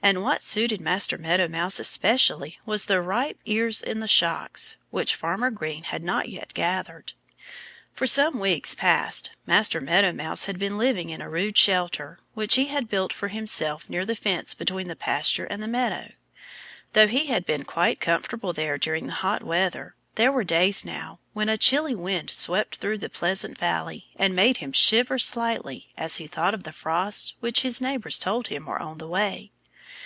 And what suited Master Meadow Mouse especially was the ripe ears in the shocks, which Farmer Green had not yet gathered. For some weeks past Master Meadow Mouse had been living in a rude shelter, which he had built for himself near the fence between the pasture and the meadow. Though he had been quite comfortable there during the hot weather, there were days, now, when a chilly wind swept through Pleasant Valley and made him shiver slightly as he thought of the frosts which his neighbors told him were on the way.